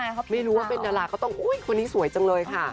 อยู่ตอนนั้นไม่รู้ว่าเป็นอร่าเค้าต้องอุ๊ยคนนี้สวยจังเลยค่ะ